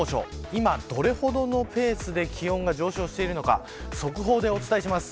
今、どれほどのペースで気温が上昇しているのか速報でお伝えします。